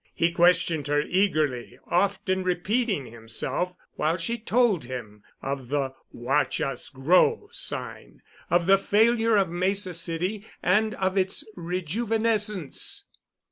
He questioned her eagerly, often repeating himself, while she told him of the "Watch Us Grow" sign, of the failure of Mesa City, and of its rejuvenescence.